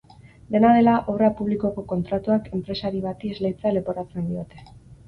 Dena dela, obra publikoko kontratuak enpresari bati esleitzea leporatzen diote.